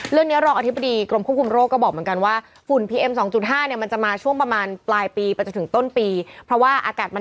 เดี๋ยวดูล่าสุดตอนนี้ประมาณสักยี่สิบกลางกลางยี่สิบเจ็ดยี่สิบเจ็ด